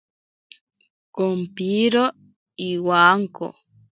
Kompiro iwanko.